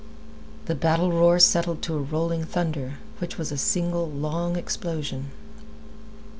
The battle roar settled to a rolling thunder, which was a single, long explosion.